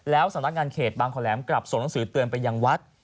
สำนักงานเขตบางขอแหลมกลับส่งหนังสือเตือนไปยังวัด